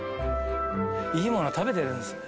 いいもの食べてるんですね。